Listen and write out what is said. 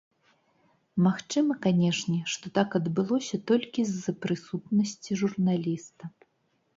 Магчыма, канешне, што так адбылося толькі з-за прысутнасці журналіста.